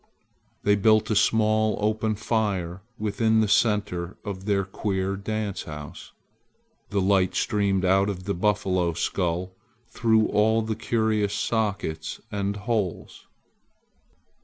They built a small open fire within the center of their queer dance house. The light streamed out of the buffalo skull through all the curious sockets and holes.